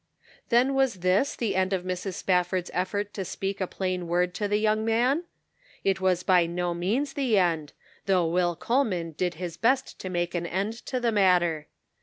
Then was this the end of Mrs. Spafford's effort to speak a plain word to the young man ? It was by no means the end, though Will Coleman did his best to make an end to the matter.